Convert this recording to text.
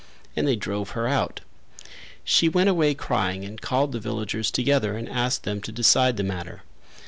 And they drove her out. She went away crying and called the villagers together and asked them to decide the matter.